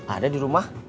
ada di rumah